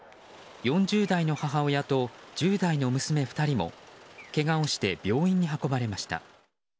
４０代の母親と１０代の娘２人もけがをして病院に運ばれました。